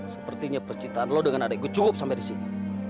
sepertinya percintaan lo dengan adik gue cukup sampai disini